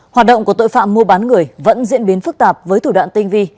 hoạt động của tội phạm mua bán người vẫn diễn biến phức tạp với thủ đoạn tinh vi